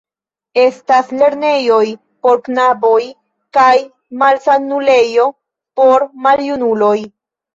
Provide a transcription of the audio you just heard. Estas lernejoj por knaboj kaj malsanulejo por maljunuloj.